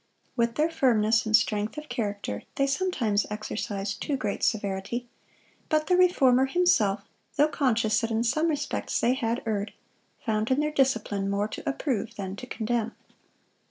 With their firmness and strength of character they sometimes exercised too great severity; but the Reformer himself, though conscious that in some respects they had erred, found in their discipline more to approve than to condemn.